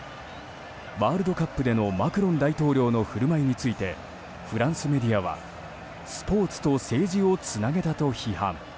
ワールドカップでのマクロン大統領の振る舞いについてフランスメディアは、スポーツと政治をつなげたと批判。